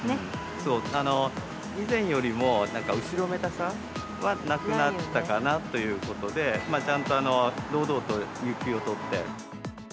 そう、以前よりも後ろめたさはなくなったかなということで、ちゃんと堂々と有休を取って。